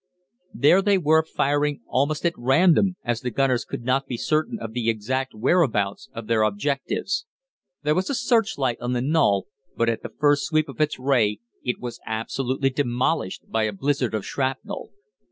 There they were firing almost at random, as the gunners could not be certain of the exact whereabouts of their objectives. There was a searchlight on the knoll, but at the first sweep of its ray it was absolutely demolished by a blizzard of shrapnel.